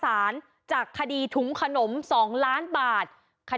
ทีนี้จากรายทื่อของคณะรัฐมนตรี